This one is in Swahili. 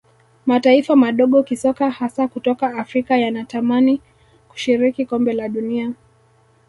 mataifa madogo kisoka hasa kutoka afrika yanatamani kushiriki kombe la dunia